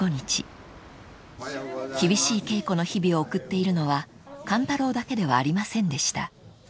［厳しい稽古の日々を送っているのは勘太郎だけではありませんでした］